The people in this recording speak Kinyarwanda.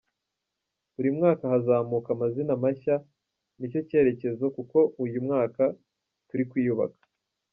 Buri mwaka hazamuka amazina mashya nicyo cyerekezo kuko uyu mwaka turi kwiyubaka.